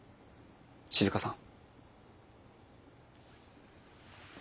静さん。